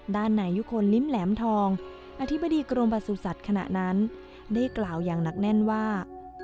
ด้านในยุคลลิ้มแหลมทองอธิบดีกรมประสุทธิ์ขณะนั้นได้กล่าวอย่างหนักแน่นว่า